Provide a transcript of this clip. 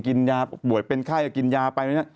กินยาบวชเป็นไข้กินยาไป